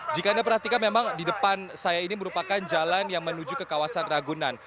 jika anda perhatikan memang di depan saya ini merupakan jalan yang menuju ke kawasan ragunan